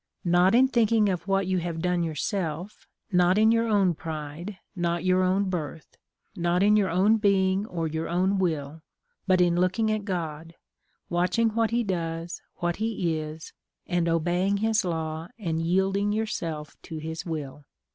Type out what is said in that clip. Not in thinking of what you have done yourself; not in your own pride, not your own birth; not in your own being, or your own will, but in looking at God; watching what He does, what He is; and obeying His law, and yielding yourself to His will.